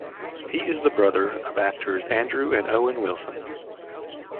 He is the brother of actors Andrew and Owen Wilson.